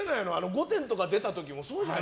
「御殿」とか出た時もそうでしょ。